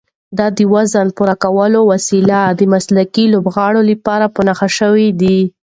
دا د وزن پورته کولو وسایل د مسلکي لوبغاړو لپاره په نښه شوي دي.